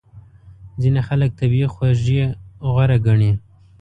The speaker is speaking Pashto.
ځینې خلک طبیعي خوږې غوره ګڼي.